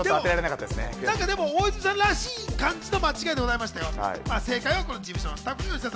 大泉さんらしい感じの間違いでございましたよ。